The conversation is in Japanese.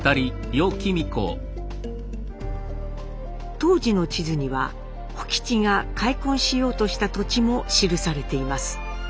当時の地図には甫吉が開墾しようとした土地も記されています。